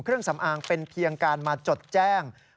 ยอมรับว่าการตรวจสอบเพียงเลขอยไม่สามารถทราบได้ว่าเป็นผลิตภัณฑ์ปลอม